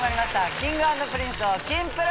Ｋｉｎｇ＆Ｐｒｉｎｃｅの『キンプる。』！